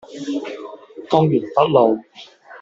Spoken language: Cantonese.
公園北路